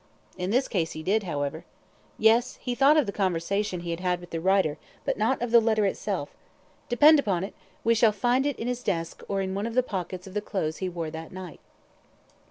"In this case he did, however." "Yes, he thought of the conversation he had with the writer, but not of the letter itself. Depend upon it, we shall find it in his desk, or in one of the pockets of the clothes he wore that night."